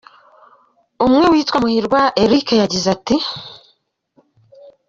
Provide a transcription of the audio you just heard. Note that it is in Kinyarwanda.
Umwe witwa Muhirwa Eric yagize ati:.